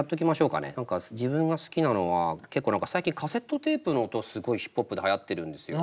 何か自分が好きなのは結構最近カセットテープの音すごいヒップホップではやってるんですよ。